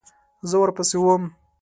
زه ورپسې وم .